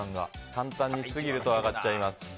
簡単にしすぎると上がってしまいます。